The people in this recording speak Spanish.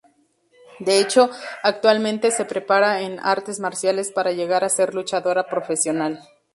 De hecho, actualmente se prepara en artes marciales para llegar a ser luchadora profesional.